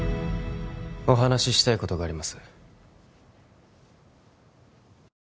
お話ししたいことがあります